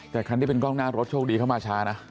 แต่คันที่เป็นกล้องหน้ารถโชคดีเข้ามาช้านะ